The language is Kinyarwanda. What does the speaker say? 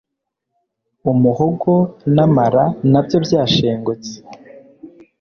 umuhogo n'amara na byo byashengutse